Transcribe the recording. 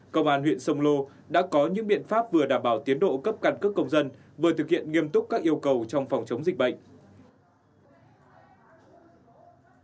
công an huyện sông lô đã có những biện pháp vừa đảm bảo tiến độ cấp căn cước công dân vừa thực hiện nghiêm túc các yêu cầu trong phòng chống dịch bệnh